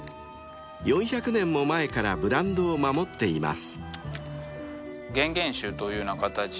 ［４００年も前からブランドを守っています］